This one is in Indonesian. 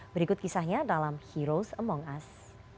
berikut kisahnya dalam heroes among us